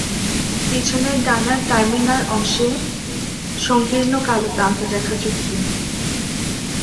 পিছনের ডানার টার্মিনাল অংশ সংকীর্ণ কালো প্রান্ত রেখা যুক্ত।